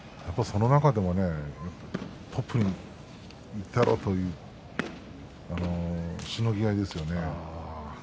その中でもねトップにいってやろうとしのぎ合いですよね。